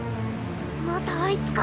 またあいつか？